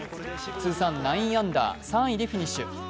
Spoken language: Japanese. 通算９アンダー３位でフィニッシュ。